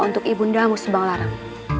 untuk ibu ndamu sebanglarang